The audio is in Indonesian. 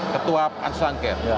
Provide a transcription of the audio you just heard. ketua pansus angket